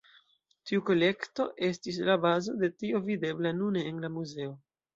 Tiu kolekto estis la bazo de tio videbla nune en la muzeo.